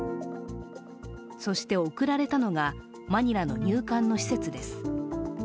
そして送られたのが、マニラの入管の施設です。